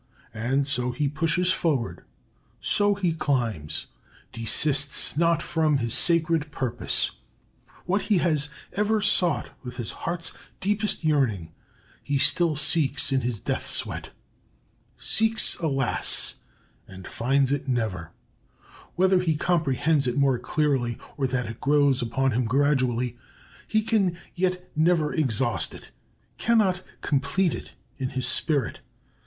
And so he pushes forward, so he climbs, desists not from his sacred purpose. What he has ever sought with his heart's deepest yearning, he still seeks in his death sweat. Seeks alas! and finds it never. Whether he comprehends it more clearly or that it grows upon him gradually, he can yet never exhaust it, cannot complete it in his spirit.